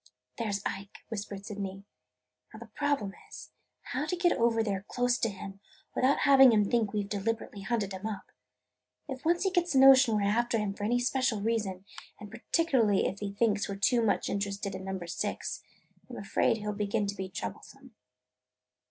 "There 's Ike!" whispered Sydney. "Now, the problem is, how to get over there close to him without having him think we 've deliberately hunted him up. If he once gets the notion we 're after him for any special reason, and particularly if he thinks we 're too much interested in Number Six, I 'm afraid he 'll begin to be troublesome."